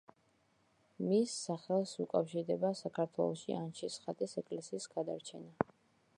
მის სახელს უკავშირდება საქართველოში ანჩისხატის ეკლესიის გადარჩენა.